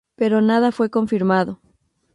Pero nada fue confirmado.